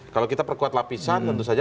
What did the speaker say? kalau kita perkuat lapisan tentu saja